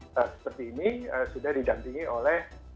seperti ini sudah didampingi oleh